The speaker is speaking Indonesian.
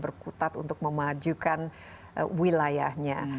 berkutat untuk memajukan wilayahnya